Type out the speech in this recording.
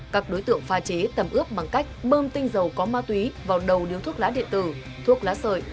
các đối tượng pha chế tầm ướp bằng cách bơm tinh dầu có ma túy vào đầu điếu thuốc lá điện tử thuốc lá sợi